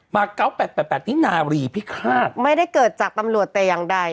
เก้าแปดแปดแปดที่นารีพิฆาตไม่ได้เกิดจากตำรวจแต่อย่างใด